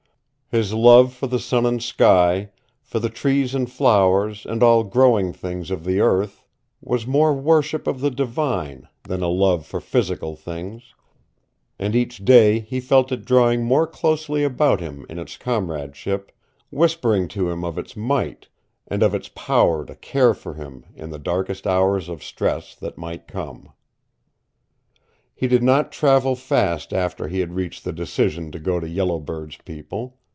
His love for the sun and the sky, for the trees and flowers and all growing things of the earth was more worship of the divine than a love for physical things, and each day he felt it drawing more closely about him in its comradeship, whispering to him of its might, and of its power to care for him in the darkest hours of stress that might come. He did not travel fast after he had reached the decision to go to Yellow Bird's people.